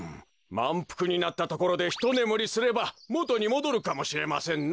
まんぷくになったところでひとねむりすればもとにもどるかもしれませんな。